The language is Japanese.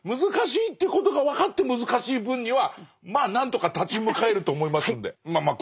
難しいっていうことが分かって難しい分にはまあ何とか立ち向かえると思いますんで。